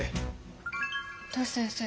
トシ先生。